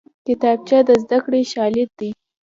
کتابچه د زدکړې شاليد دی